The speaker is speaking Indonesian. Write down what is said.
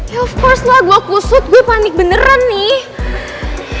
ya pas lah gue kusut gue panik beneran nih